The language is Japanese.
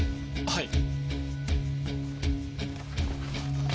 はい。